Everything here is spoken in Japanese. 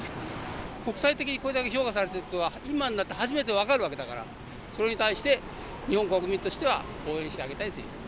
国際的にこれだけ評価されていたことが、今になって初めてわかるわけだから、それに対して、日本国民としては応援してあげたいということ。